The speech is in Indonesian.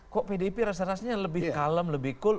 kok pdip rasa rasanya lebih kalem lebih cool